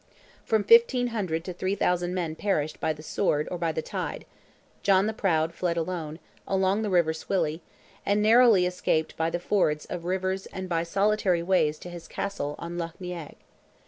From 1,500 to 3,000 men perished by the sword or by the tide; John the Proud fled alone, along the river Swilly, and narrowly escaped by the fords of rivers and by solitary ways to his Castle on Lough Neagh.